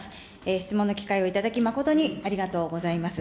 質問の機会をいただき、誠にありがとうございます。